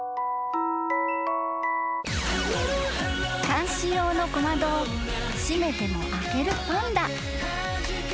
［監視用の小窓を閉めても開けるパンダ］